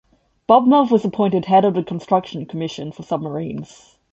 Bubnov was appointed Head of the Construction Commission for Submarines.